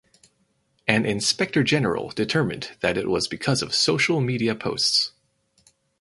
An inspector general determined that it was because of social media posts.